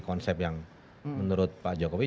konsep yang menurut pak jokowi